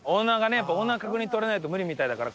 やっぱオーナー確認取れないと無理みたいだから。